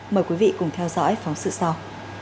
mời quý vị cùng theo dõi phóng sự sau